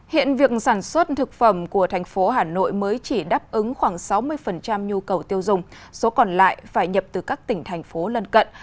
hiện việc sản xuất thực phẩm của thành phố hà nội mới chỉ đáp ứng khoảng sáu mươi nhu cầu tiêu dùng số còn lại phải nhập từ các tỉnh thành phố lân cận